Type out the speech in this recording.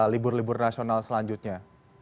libur libur nasional selanjutnya